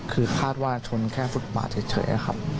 คิดว่าชนแค่อะไรเฉยอีก